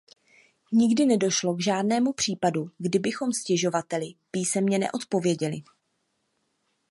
Nikdy nedošlo k žádnému případu, kdy bychom stěžovateli písemně neodpověděli.